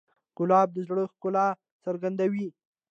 ګلاب د زړه ښکلا څرګندوي.